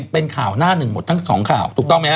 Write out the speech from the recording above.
เป็นข่าวหน้าหนึ่งหมดทั้งสองข่าวถูกต้องไหมฮ